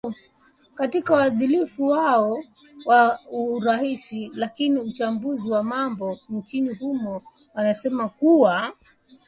katika wadhifa huo wa urais lakini wachambuzi wa mambo nchini humo wanasema kuwa